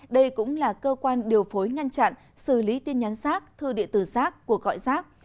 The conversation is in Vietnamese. đây cũng là cơ quan điều phối ngăn chặn xử lý tin nhắn rác thư điện tử rác cuộc gọi rác